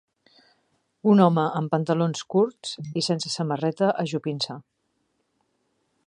Un home amb pantalons curts i sense samarreta ajupint-se.